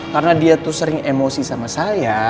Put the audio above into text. karena dia tuh sering emosi sama saya